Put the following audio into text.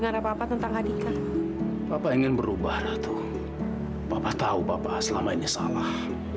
gua mau ke rumah